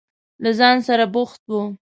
له ځان سره بوخت و.